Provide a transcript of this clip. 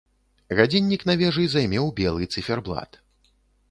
Гадзіннік на вежы займеў белы цыферблат.